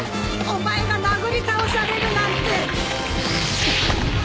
お前が殴り倒されるなんて！